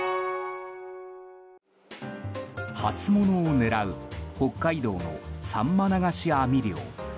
初物を狙う北海道のサンマ流し網漁。